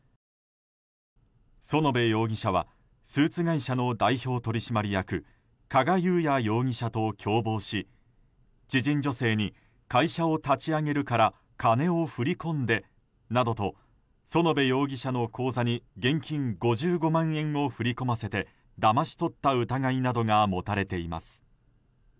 園部容疑者はスーツ会社の代表取締役加賀裕也容疑者と共謀し知人女性に会社を立ち上げるから金を振り込んでなどと園部容疑者の口座に現金５５万円を振り込ませてだまし取った疑いなどが持たれています。